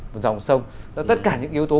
một dòng sông tất cả những yếu tố